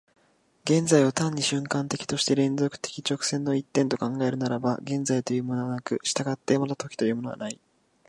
現在を単に瞬間的として連続的直線の一点と考えるならば、現在というものはなく、従ってまた時というものはない。